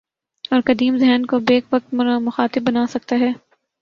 اور قدیم ذہن کو بیک وقت مخاطب بنا سکتا ہے۔